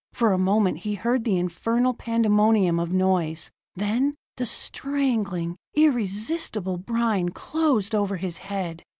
For a moment he heard the infernal pandemonium of noise ... then the strangling, irresistible brine closed over his head.